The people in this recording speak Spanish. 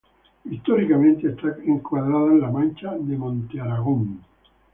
Históricamente, está encuadrada en la Mancha de Montearagón.